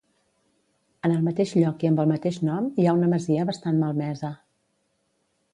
En el mateix lloc i amb el mateix nom hi ha una masia bastant malmesa.